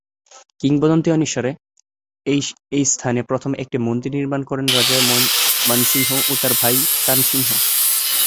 কিংবদন্তি অনুসারে, এই স্থানে প্রথমে একটি মন্দির নির্মাণ করেন রাজা মানসিংহ ও তার ভাই তানসিংহ।